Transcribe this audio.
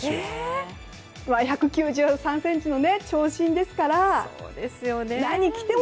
１９３ｃｍの長身ですから何を着ても。